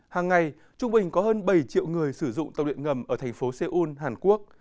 hàng ngày trung bình có hơn bảy triệu người sử dụng tàu điện ngầm ở thành phố seoul hàn quốc